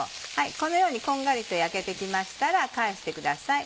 このようにこんがりと焼けて来ましたら返してください。